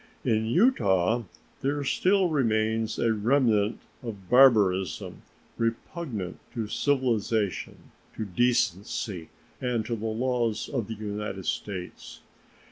In Utah there still remains a remnant of barbarism, repugnant to civilization, to decency, and to the laws of the United States.